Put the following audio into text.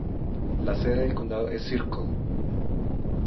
La sede del condado es Circle.